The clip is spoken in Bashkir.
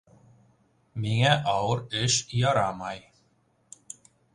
Миңә ауыр эш ярамай.